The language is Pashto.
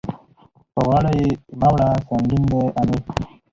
په غاړه يې مه وړه سنګين دی امېل.